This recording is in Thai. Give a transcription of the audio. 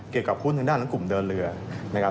เกี่ยวกับหุ้นทางด้านของกลุ่มเดินเรือนะครับ